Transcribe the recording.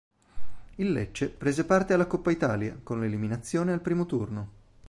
Il Lecce prese parte alla Coppa Italia, con l'eliminazione al primo turno.